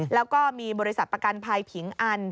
แล้วก็มีบริษัทประกันภัยผิงอัน